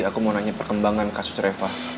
aku mau nanya perkembangan kasus reva